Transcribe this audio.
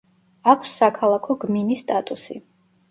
აქვს საქალაქო გმინის სტატუსი.